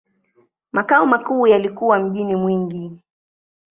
Makao makuu yalikuwa mjini Mwingi.